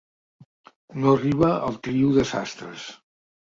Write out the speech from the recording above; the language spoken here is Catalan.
No arriba al trio de sastres.